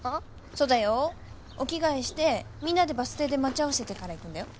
そうだよ。お着替えしてみんなでバス停で待ち合わせてから行くんだよ。